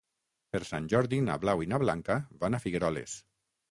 Per Sant Jordi na Blau i na Blanca van a Figueroles.